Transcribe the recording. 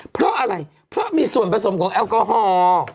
เพราะอะไรเพราะมีส่วนผสมของแอลกอฮอล์